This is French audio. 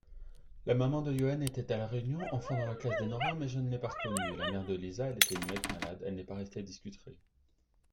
la maman de Youenn (était à la réunion, enfant dans la classe d'Enora, mais je ne l'ai pas reconnue) et la mère de Liza (elle était muette, malade, elle n'est pas restée discutrer).